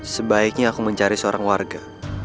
sebaiknya aku mencari seorang warga